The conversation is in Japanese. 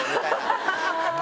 ハハハハ！